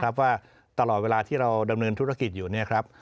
ว่าตลอดเวลาที่เราดำเนินธุรกิจอยู่เนี่ยครับ